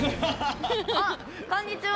あこんにちは！